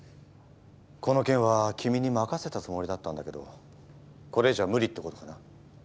この件は君に任せたつもりだったんだけどこれ以上は無理ってことかな？